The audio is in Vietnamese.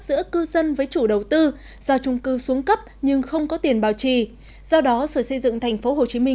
giữa cư dân với chủ đầu tư do trung cư xuống cấp nhưng không có tiền bảo trì do đó sở xây dựng tp hcm